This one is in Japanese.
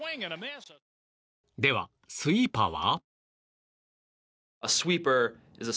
では、スイーパーは？